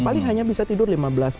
paling hanya bisa tidur lima belas menit